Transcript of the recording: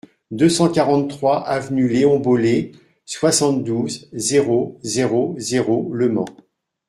deux cent quarante-trois avenue Léon Bollée, soixante-douze, zéro zéro zéro, Le Mans